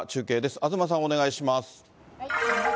東さん、お願いします。